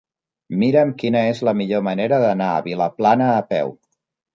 Mira'm quina és la millor manera d'anar a Vilaplana a peu.